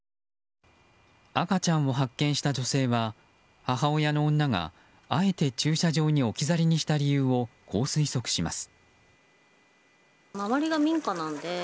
赤ちゃんを発見した女性は母親の女があえて駐車場に置き去りにした理由をこう推測します。